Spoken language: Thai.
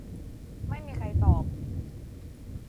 ไม่มีใครตอบ